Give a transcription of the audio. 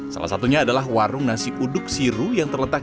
salah satunya adalah warung nasi uduk siru yang terletak